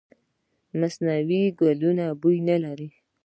مصنوعي ګلونه بوی نه لري.